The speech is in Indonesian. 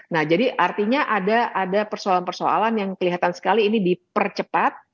nah jadi artinya ada persoalan persoalan yang kelihatan sekali ini dipercepat